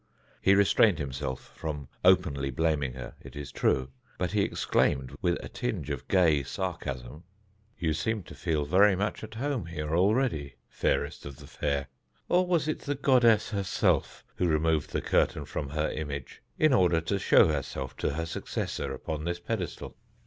He restrained himself from openly blaming her, it is true, but he exclaimed, with a tinge of gay sarcasm: "You seem to feel very much at home here already, fairest of the fair. Or was it the goddess herself who removed the curtain from her image in order to show herself to her successor upon this pedestal?"